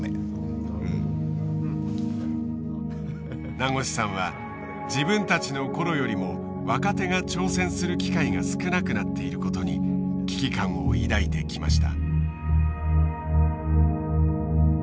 名越さんは自分たちの頃よりも若手が挑戦する機会が少なくなっていることに危機感を抱いてきました。